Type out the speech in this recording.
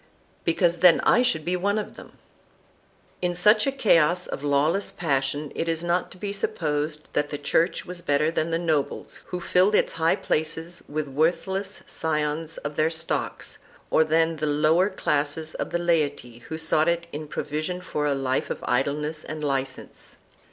"Because then I should be one of them."2 In such a chaos of lawless passion it is not to be supposed that the Church was better than the nobles who filled its high places with worthless scions of their stocks, or than the lower classes of the laity who sought in it provision for a life of idleness and licence.